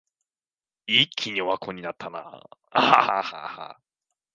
一気にオワコンになったな